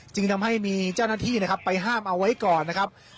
จึงทำให้มีเจ้าหน้าที่นะครับไปห้ามเอาไว้ก่อนนะครับ